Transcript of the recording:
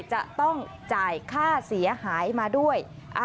จะต้องจ่ายค่าเสียหายมาด้วย